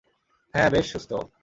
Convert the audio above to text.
হ্যাঁ, বেশ সুস্থ।